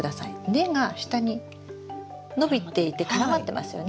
根が下に伸びていて絡まってますよね？